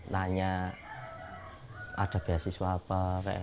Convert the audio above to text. nanya ada beasiswa apa